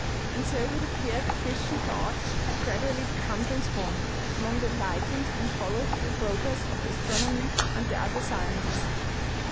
And so it appeared that Christian thought had gradually become transformed, among the enlightened, and followed the progress of astronomy and the other sciences.